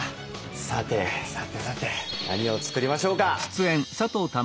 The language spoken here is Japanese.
さてさてさて何を作りましょうか。